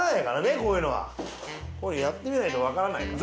こういうのはやってみないとわからないから。